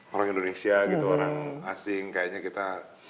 orang indonesia gitu orang asing kayaknya kita